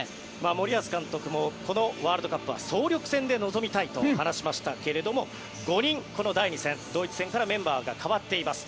森保監督もこのワールドカップは総力戦で臨みたいと話しましたけれども５人この第２戦ドイツ戦からメンバーが代わっています。